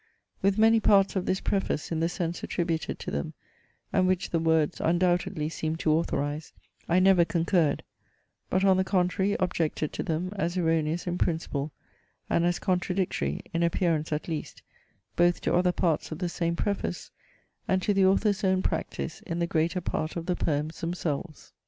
With many parts of this preface in the sense attributed to them and which the words undoubtedly seem to authorize, I never concurred; but on the contrary objected to them as erroneous in principle, and as contradictory (in appearance at least) both to other parts of the same preface, and to the author's own practice in the greater part of the poems themselves.